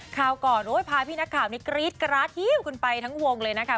ข่าวก่อนพาพี่นักข่าวนี้กรี๊ดกราดฮิ้วกันไปทั้งวงเลยนะคะ